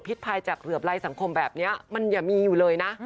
ภัยจากเหลือบไรสังคมแบบนี้มันอย่ามีอยู่เลยนะ